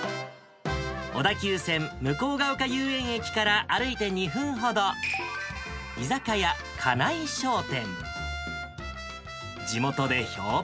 小田急線向ヶ丘遊園駅から歩いて２分ほど、居酒屋、金井商店。